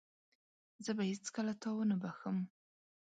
زه به هيڅکله تا ونه بخښم.